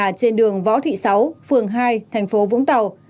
và trên đường võ thị sáu phường hai thành phố vũng tàu